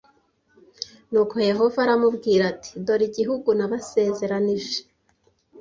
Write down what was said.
Nuko Yehova aramubwira ati dore igihugu nabasezeranije